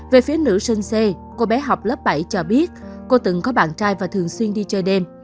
về phía nữ sân c cô bé học lớp bảy cho biết cô từng có bạn trai và thường xuyên đi chơi đêm